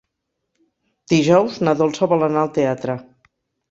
Dijous na Dolça vol anar al teatre.